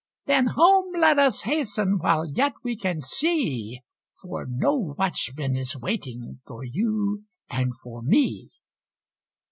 "Then home let us hasten, while yet we can see, For no Watchman is waiting for you and for me."